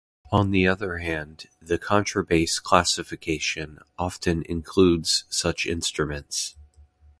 On the other hand, the "contrabass" classification often includes such instruments.